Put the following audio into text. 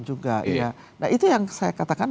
juga ya nah itu yang saya katakan